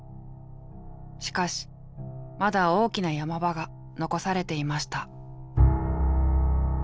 しかしまだ大きなヤマ場が残されていました。